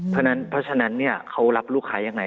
เพราะฉะนั้นเขารับลูกค้ายังไง